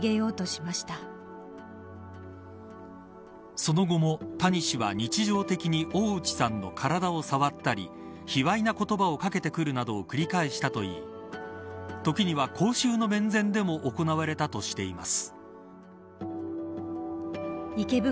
その後も谷氏は日常的に大内さんの体を触ったり卑猥な言葉をかけてくるなどを繰り返したといい時には公衆の面前でも行われたとしています。